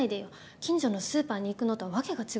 近所のスーパーに行くのとは訳が違うんだから。